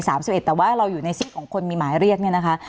แต่ว่าเราอยู่ในสิทธิ์ของคนมีหมายเรียกเนี่ยนะคะ